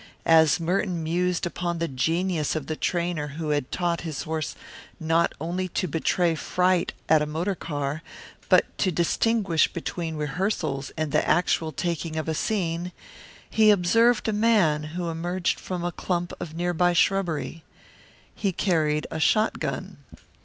As Merton mused upon the genius of the trainer who had taught his horse not only to betray fright at a motor car but to distinguish between rehearsals and the actual taking of a scene, he observed a man who emerged from a clump of near by shrubbery. He carried a shotgun.